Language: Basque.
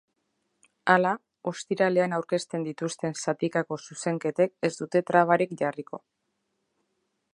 Hala, ostiralean aurkezten dituzten zatikako zuzenketek ez dute trabarik jarriko.